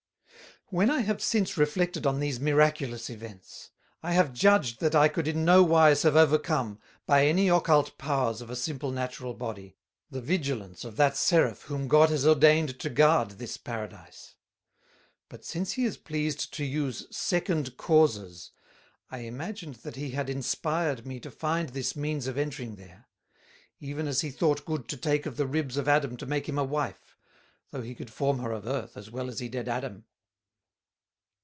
"When I have since reflected on these miraculous events, I have judged that I could in no wise have overcome, by any occult powers of a simple natural body, the vigilance of that Seraph whom God has ordained to guard this Paradise; but since he is pleased to use second causes, I imagined that he had inspired me to find this means of entering there; even as he thought good to take of the ribs of Adam to make him a wife, though he could form her of Earth, as well as he did Adam.